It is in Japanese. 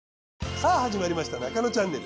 さあ始まりました『ナカノチャンネル』